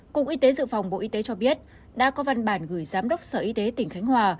cục y tế dự phòng bộ y tế cho biết đã có văn bản gửi giám đốc sở y tế tỉnh khánh hòa